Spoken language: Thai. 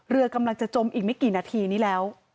เรือกำลังจะจมอีกไม่กี่นาทีนี้แล้ว